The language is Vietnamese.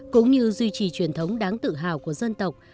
cũng như duy trì truyền thống đáng tự hào của dân tộc